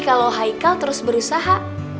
kalau haikal terus berusaha